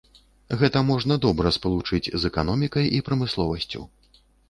Гэта можна добра спалучыць з эканомікай і прамысловасцю.